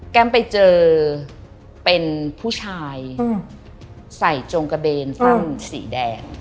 ไปเจอเป็นผู้ชายใส่จงกระเบนสั้นสีแดง